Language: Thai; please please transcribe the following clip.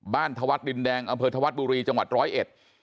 บ้านธวรรษดินแดงอธวรรษบุรีจังหวัด๑๐๑